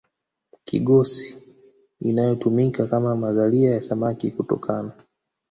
kigosi inayotumika kama mazalia ya samaki kutokana